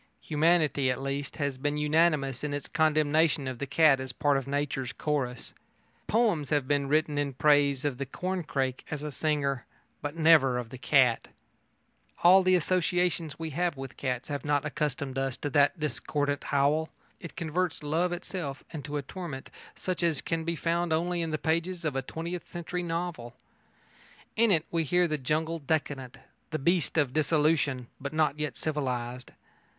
Humanity, at least, has been unanimous in its condemnation of the cat as part of nature's chorus. Poems have been written in praise of the corncrake as a singer, but never of the cat. All the associations we have with cats have not accustomed us to that discordant howl. It converts love itself into a torment such as can be found only in the pages of a twentieth century novel. In it we hear the jungle decadent the beast in dissolution, but not yet civilised.